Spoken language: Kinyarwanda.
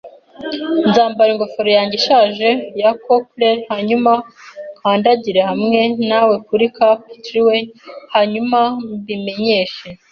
Nzambara ingofero yanjye ishaje ya cockerel, hanyuma nkandagire hamwe nawe kuri Cap'n Trelawney, hanyuma mbimenyeshe